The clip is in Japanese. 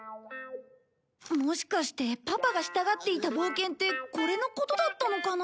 もしかしてパパがしたがっていた冒険ってこれのことだったのかな？